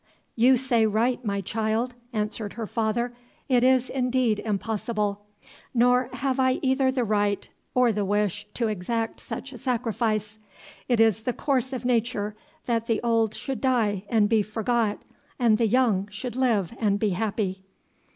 "You say right, my child," answered her father, "it is indeed impossible; nor have I either the right or the wish to exact such a sacrifice It is the course of nature that the old should die and be forgot, and the young should live and be happy."